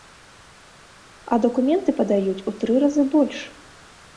А дакументы падаюць у тры разы больш!